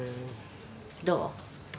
どう？